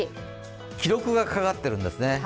記録がかかってるんですね。